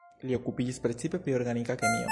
Li okupiĝis precipe pri organika kemio.